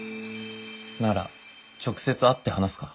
なら直接会って話すか。